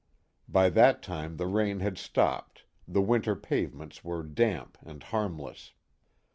By that time the rain had stopped, the winter pavements were damp and harmless.